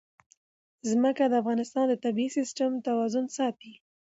ځمکه د افغانستان د طبعي سیسټم توازن ساتي.